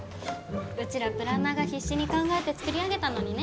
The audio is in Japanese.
うちらプランナーが必死に考えて作り上げたのにね。